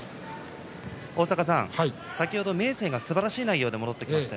先ほど明生がすばらしい内容で戻ってきました。